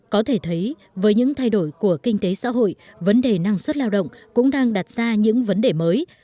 có thể thấy với những thay đổi của kinh tế xã hội vấn đề năng suất lao động cũng đang đặt ra những vấn đề mới